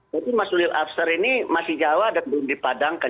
tapi mas duli after ini masih jawa dan belum dipadangkan